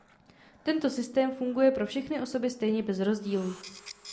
Tento systém funguje pro všechny osoby stejně bez rozdílu.